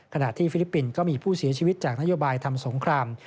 ที่ฟิลิปปินส์ก็มีผู้เสียชีวิตจากนโยบายทำสงคราม